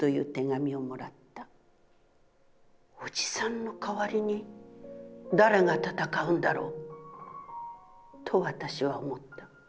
『おじさんの代りに誰が戦うんだろう？』と私は思った。